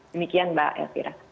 demikian mbak elvira